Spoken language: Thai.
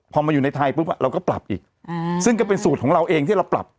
พอมาอยู่ในไทยปุ๊บเราก็ปรับอีกซึ่งก็เป็นสูตรของเราเองที่เราปรับ